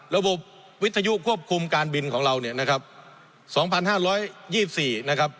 ระบบวิทยุควบคุมการบินของเรา๒๕๒๔